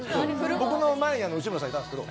僕の前に内村さんいたんですけど。